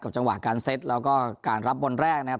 จังหวะการเซ็ตแล้วก็การรับบอลแรกนะครับ